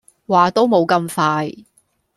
話都冇咁快